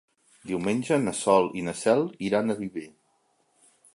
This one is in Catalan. Diumenge na Sol i na Cel iran a Viver.